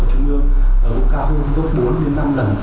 của trung ương cũng cao hơn gấp bốn năm lần